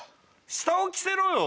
下を着せろよ。